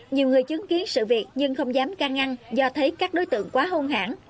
nhiều người chứng kiến sự việc nhưng không dám can ngăn do thấy các đối tượng quá hôn hẳn